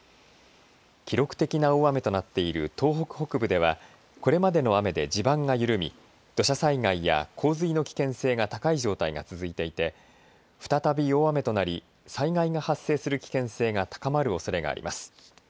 記録的な大雨となっている東北北部ではこれまでの雨で地盤が緩み土砂災害や洪水の危険性が高い状態が続いていて再び大雨となり災害が発生する危険性が高まるおそれがあります。